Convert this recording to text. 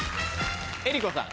江里子さん。